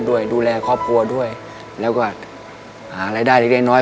ดูแลครอบครัวด้วยแล้วก็หารายได้เล็กน้อย